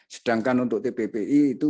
sedangkan untuk tbbi itu